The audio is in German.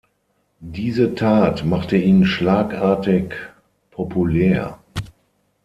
Diese Tat machte ihn schlagartig populär.